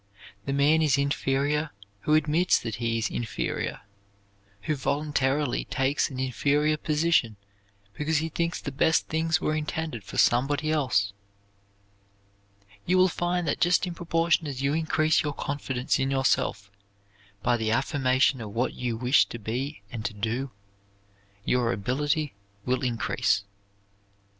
The man is inferior who admits that he is inferior, who voluntarily takes an inferior position because he thinks the best things were intended for somebody else. You will find that just in proportion as you increase your confidence in yourself by the affirmation of what you wish to be and to do, your ability will increase.